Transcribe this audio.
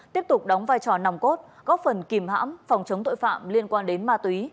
tiếp tục đóng vai trò nòng cốt góp phần kìm hãm phòng chống tội phạm liên quan đến ma túy